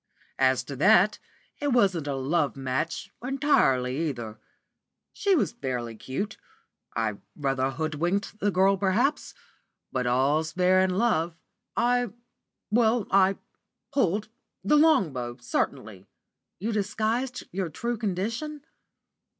"As to that, it wasn't a love match entirely either. She was fairly cute. I rather hoodwinked the girl, perhaps; but all's fair in love. I well I pulled, the long bow, certainly." "You disguised your true condition?"